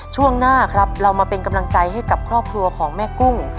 ช่วงหน้าครับเรามาเป็นกำลังใจให้กับครอบครัวของแม่กุ้ง